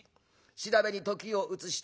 調べに時を移した。